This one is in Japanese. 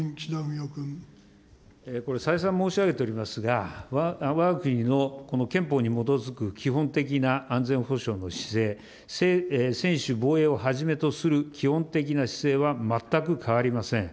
これ、再三申し上げておりますが、わが国のこの憲法に基づく基本的な安全保障の姿勢、専守防衛をはじめとする基本的な姿勢は全く変わりません。